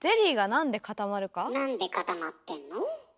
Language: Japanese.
なんで固まってんの？